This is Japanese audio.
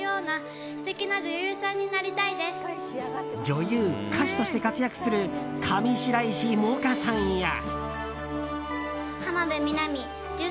女優、歌手として活躍する上白石萌歌さんや。